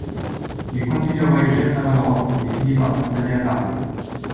Il continue à voyager à travers l’Europe, mais finit par s’installer à Paris.